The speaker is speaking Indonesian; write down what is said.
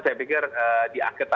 saya pikir di akhir tahun ini ya